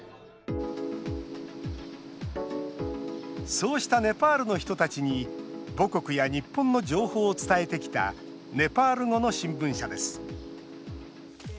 そうしたネパールの人たちに母国や日本の情報を伝えてきたネパール語の新聞社です。